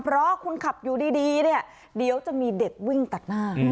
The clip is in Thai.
เพราะคุณขับอยู่ดีเนี่ยเดี๋ยวจะมีเด็กวิ่งตัดหน้า